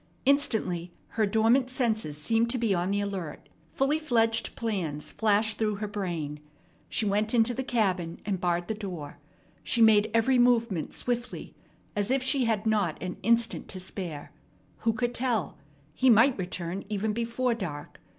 Instantly her dormant senses seemed to be on the alert. Fully fledged plans flashed through her brain. She went into the cabin, and barred the door. She made every movement swiftly, as if she had not an instant to spare. Who could tell? He might return even before dark.